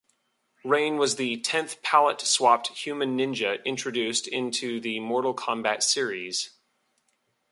Rain was the tenth palette-swapped human ninja introduced into the "Mortal Kombat" series.